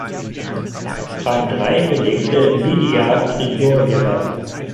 Rang drei belegte Lidija Grigorjewa.